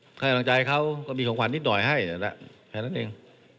ให้กำลังใจเขาก็มีของขวัญนิดหน่อยให้นั่นแหละแค่นั้นเอง